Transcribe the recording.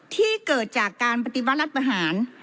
ที่เกิดจากการปฏิวัติรัฐประหาร